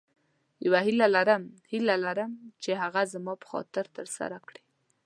یوه هیله لرم هیله لرم چې هغه زما په خاطر تر سره کړې.